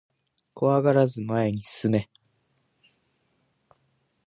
怖がらずに前へ進め